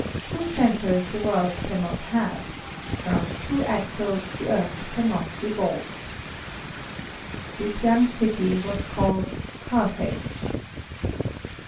Two centres the world cannot have; round two axles the earth cannot revolve. This young city was called Carthage.